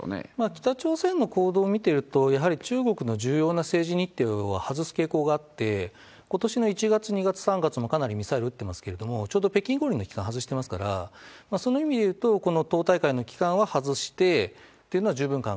北朝鮮の行動見てると、中国の重要式典の日を外す傾向があって、ことしの１月、２月、３月もかなりミサイル撃ってますけれども、ちょうど北京五輪の期間外していますから、その意味でいうと、この党大会の期間は外して、なるほど。